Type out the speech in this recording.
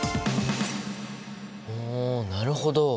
おなるほど！